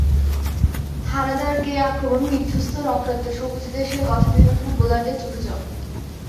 হানাদারকে আক্রমণে বিধ্বস্ত রক্তাক্ত সবুজ দেশের কথা ভেবে ফুটবলারদের চোখে জল।